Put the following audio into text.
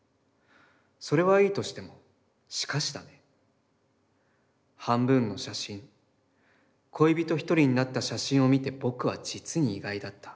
それはいいとしても、しかしだね、半分の写真、恋人一人になった写真を見て僕は実に意外だった。